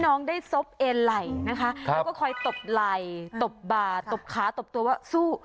น้องได้ซบเอนไหล่นะคะแล้วก็คอยตบไหล่ตบบ่าตบขาตบตัวว่าสู้